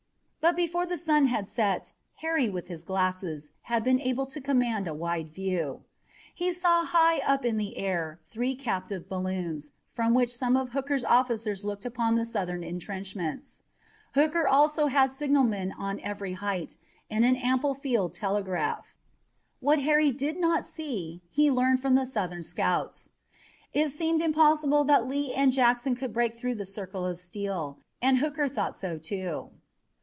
But before the sun had set Harry with his glasses had been able to command a wide view. He saw high up in the air three captive balloons, from which some of Hooker's officers looked upon the Southern intrenchments. Hooker also had signalmen on every height, and an ample field telegraph. What Harry did not see he learned from the Southern scouts. It seemed impossible that Lee and Jackson could break through the circle of steel, and Hooker thought so, too.